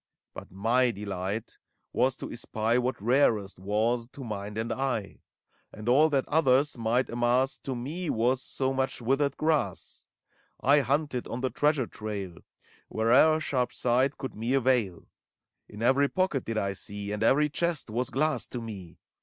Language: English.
But my delight was to espy What rarest was, to mind and eye; And all that others might amass To me was so much withered grass. I hunted on the treasure trail Where'er sharp sight could me avail : In every pocket did I see. And every chest was glass to me.